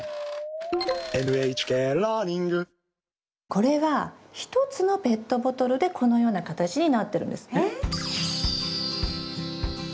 これは１つのペットボトルでこのような形になってるんです。